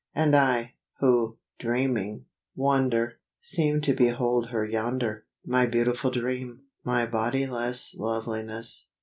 And I, who, dreaming, wander, Seem to behold her yonder, My beautiful dream, my bodiless loveliness.